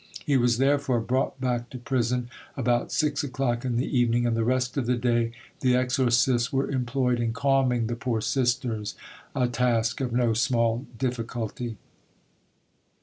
He was therefore brought back to prison about six o'clock in the evening, and the rest of the day the exorcists were employed in calming the poor sisters—a task of no small difficulty."